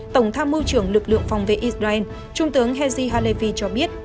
tổng tham mưu trưởng lực lượng phòng vệ israel trung tướng hezir halefi cho biết